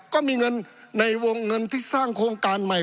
ก็มีเงินในวงเงินที่สร้างโครงการใหม่